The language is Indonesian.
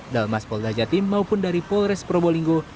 dalmas pol dajatim maupun dari polres probolinggo